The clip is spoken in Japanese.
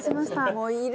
もういる！